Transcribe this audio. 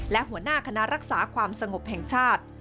และหัวหน้าคณะรักษาความสงบแห่งชาติ